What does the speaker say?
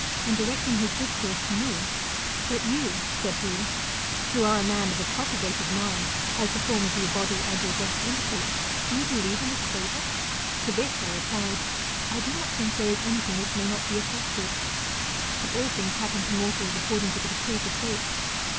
And, directing his discourse to me : But you, said he, who are a man of a cultivated mind, as the form of your body and your dress indicate, do you believe in this fable ? To this I replied, I do not think there is anything which may not be effected ; but all things happen to mortals according to the decrees of Fate.